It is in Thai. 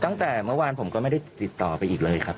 ตั้งแต่เมื่อวานผมก็ไม่ได้ติดต่อไปอีกเลยครับ